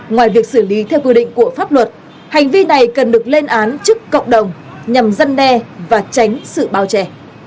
ngoài việc xử lý theo quy định của pháp luật hành vi này cần được lên án trước cộng đồng nhằm giăn đe và tránh sự bao trè